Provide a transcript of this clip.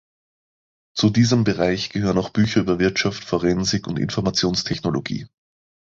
Zu diesem Bereich gehören auch Bücher über Wirtschaft, Forensik und Informationstechnologie.